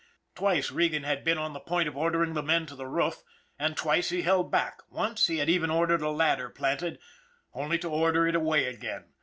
Twice Regan had been on the point of ordering the men to the roof, and twice he held back once he had even ordered a ladder planted, only to order it away again.